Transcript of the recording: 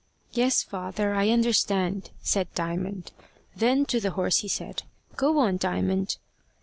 "Yes, father, I understand," said Diamond. Then to the horse he said, "Go on Diamond."